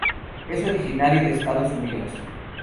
Es originario de Estados Unidos.